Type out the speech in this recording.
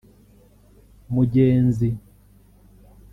Mugenzi